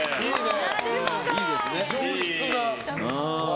上質な。